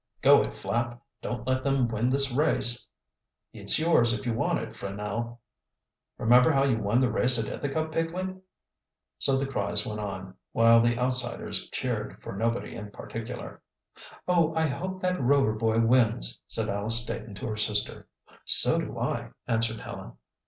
"Go it, Flapp! Don't let them win this race!" "It's yours if you want it, Franell!" "Remember how you won the race at Ithaca, Pigley!" So the cries went on, while the outsiders cheered for nobody in particular. "Oh, I hope that Rover boy wins," said Alice Staton to her sister. "So do I," answered Helen.